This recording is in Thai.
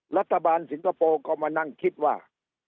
รัฐบาลสิงคโปร์ก็มานั่งคิดว่า